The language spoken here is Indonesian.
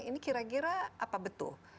ini kira kira apa betul